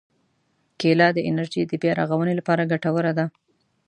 کېله د انرژي د بیا رغونې لپاره ګټوره ده.